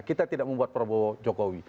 kita tidak membuat prabowo jokowi